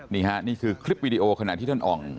นี่ค่ะนี่คือคลิปวิดีโอขณะที่ท่านอ่อง